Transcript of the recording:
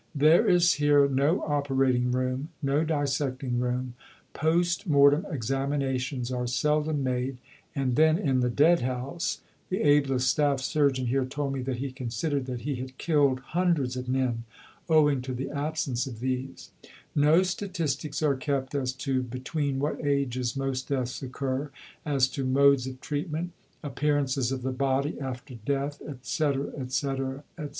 There is here no operating room, no dissecting room; post mortem examinations are seldom made, and then in the dead house (the ablest Staff Surgeon here told me that he considered that he had killed hundreds of men owing to the absence of these) no statistics are kept as to between what ages most deaths occur, as to modes of treatment, appearances of the body after death, etc., etc., etc.